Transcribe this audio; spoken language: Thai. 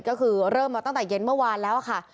ก็คือเริ่มมาตั้งแต่เย็นเมื่อวานแล้วค่ะ